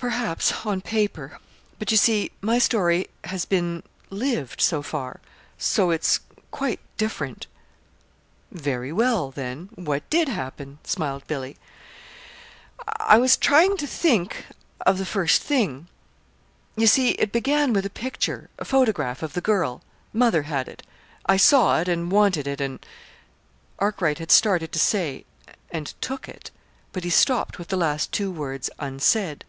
"Perhaps on paper; but, you see, my story has been lived, so far. So it's quite different." "Very well, then what did happen?" smiled Billy. "I was trying to think of the first thing. You see it began with a picture, a photograph of the girl. Mother had it. I saw it, and wanted it, and " Arkwright had started to say "and took it." But he stopped with the last two words unsaid.